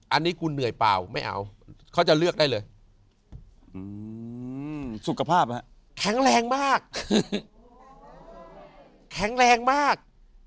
อันนี้กูเหนื่อยเปล่าไม่เอาเขาจะเลือกได้เลยสุขภาพแข็งแรงมากคือแข็งแรงมาก